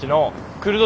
クルド？